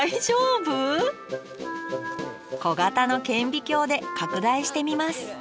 小型の顕微鏡で拡大してみます